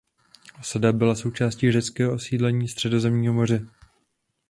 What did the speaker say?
Osada byla součástí řeckého osídlení Středozemního moře.